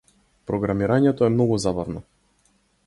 Програмирањето е многу забавно.